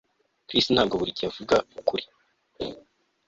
Chris ntabwo buri gihe avuga ukuri